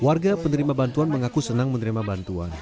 warga penerima bantuan mengaku senang menerima bantuan